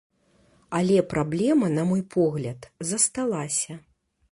Але праблема, на мой погляд, засталася.